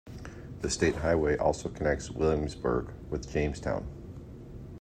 The state highway also connects Williamsburg with Jamestown.